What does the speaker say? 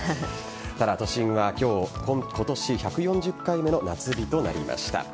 ただ、都心は今日今年１４０回目の夏日となりました。